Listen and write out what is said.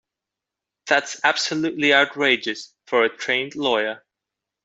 That's absolutely outrageous for a trained lawyer.